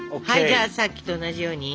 じゃあさっきと同じように。